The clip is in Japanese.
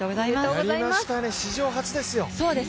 やりましたね、史上初ですよ。